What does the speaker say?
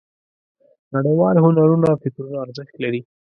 نړیوال هنرونه او فکرونه ارزښت لري.